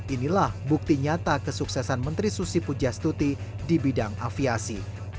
inilah bukti nyata kesuksesan menteri susi pujastuti di bidang aviasi